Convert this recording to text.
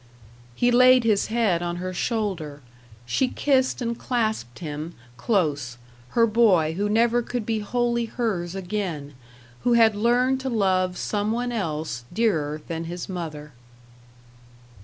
He laid his head on her shoulder. She kissed and clasped him close her boy who never could be wholly hers again, who had learned to love some one else dearer than his mother.